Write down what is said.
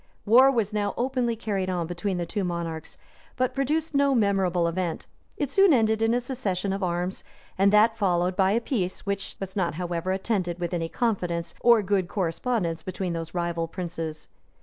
War was now openly carried on between the two monarchs, but produced no memorable event: it soon ended in a cessation of arms, and that followed by a peace, which was not, however, attended with any confidence or good correspondence between those rival princes.